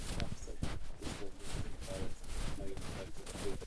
Byl autorem mnoha publikací na téma hrady a zámky v Evropě.